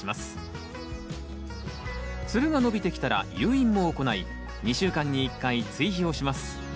ツルが伸びてきたら誘引も行い２週間に１回追肥をします